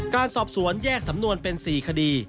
การสอบสวนแยกสำนวนเป็น๔คดี